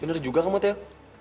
bener juga kamu teo